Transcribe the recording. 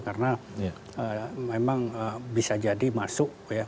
karena memang bisa jadi masuk ya